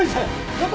ちょっと！